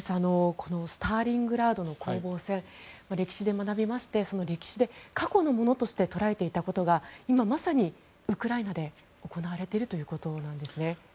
このスターリングラードの攻防戦歴史で学びまして、その歴史で過去のものとして捉えていたことが今まさにウクライナで行われているということなんですね。